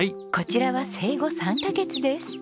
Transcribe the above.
こちらは生後３カ月です。